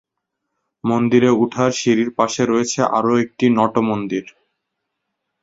মন্দিরে উঠার সিঁড়ির পাশে রয়েছে আরও একটি নট মন্দির।